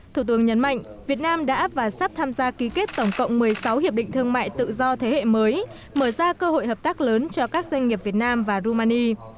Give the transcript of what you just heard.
thủ tướng nhấn mạnh việt nam đã và sắp tham gia ký kết tổng cộng một mươi sáu hiệp định thương mại tự do thế hệ mới mở ra cơ hội hợp tác lớn cho các doanh nghiệp việt nam và rumani